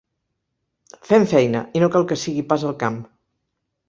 Fem feina, i no cal que sigui pas al camp.